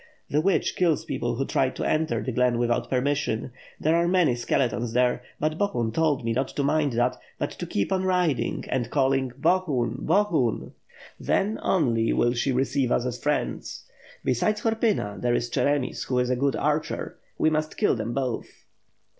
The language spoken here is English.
The witch kills people who try to enter the glen without permission. There are many skeletons there; but Bohun told me not to mind that, but to keep on riding and calling Bohun! Bohun! ... Then, only, will she receive us as friends. Besides Horpyna, there is Cheremis who is a good archer. We must kill them both."